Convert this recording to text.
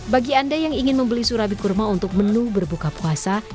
bagi anda yang ingin membeli surabi kurma untuk menu berbuka puasa